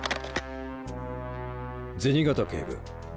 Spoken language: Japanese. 銭形警部。